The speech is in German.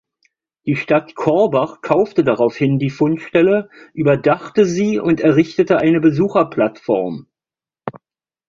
Die Stadt Korbach kaufte daraufhin die Fundstelle, überdachte sie und errichtete eine Besucherplattform.